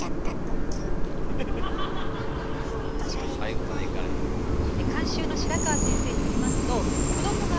最後までいかれへんかったか。